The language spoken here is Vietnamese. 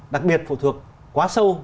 đặc biệt phụ thuộc quá sâu